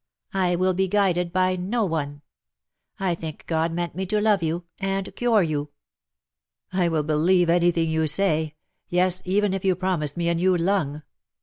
I will be guided by no one. I think God meant me to love you — and cure you." " I will believe anything you say ; yes^ even if you promise me a new lung.